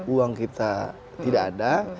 uang kita tidak ada